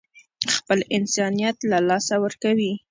خپل انسانيت له لاسه ورکوي.